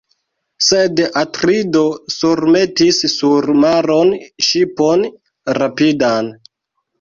Sed Atrido surmetis sur maron ŝipon rapidan.